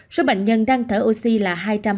số bệnh nhân đang thở oxy là hai trăm hai mươi một